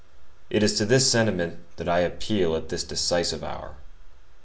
It is to this sentiment that I appeal at this decisive hour.